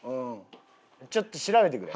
ちょっと調べてくれ。